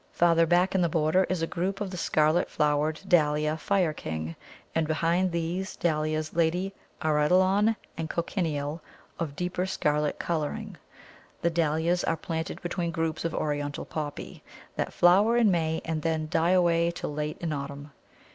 Farther back in the border is a group of the scarlet flowered Dahlia Fire King, and behind these, Dahlias Lady Ardilaun and Cochineal, of deeper scarlet colouring. The Dahlias are planted between groups of Oriental Poppy, that flower in May and then die away till late in autumn.